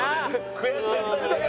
悔しかったよね。